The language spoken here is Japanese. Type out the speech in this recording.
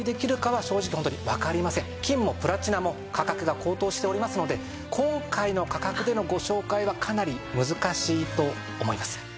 金もプラチナも価格が高騰しておりますので今回の価格でのご紹介はかなり難しいと思います。